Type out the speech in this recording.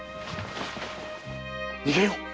逃げよう！